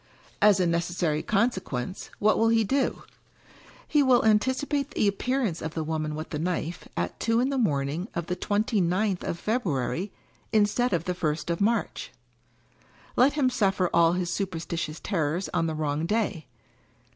As a necessary consequence — what will he do ? He will anticipate the appearance of the Woman with the Knife, at two in the morning of the twenty ninth of February, instead of the first of March. Let him suffer all his superstitious terrors on the wrong day.